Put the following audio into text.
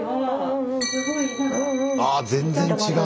あ全然違う。